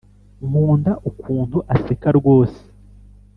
Nkunda ukuntu aseka rwose